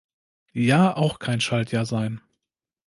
Jahr auch kein Schaltjahr sein.